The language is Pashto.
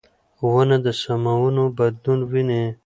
ونه د موسمونو بدلون ویني.